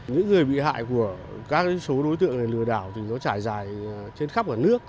những người bị hại của các số đối tượng lừa đảo thì nó trải dài trên khắp cả nước